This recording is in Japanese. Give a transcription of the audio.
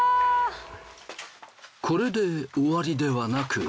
これで終わりではなく。